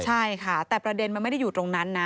ใช่ค่ะแต่ประเด็นมันไม่ได้อยู่ตรงนั้นนะ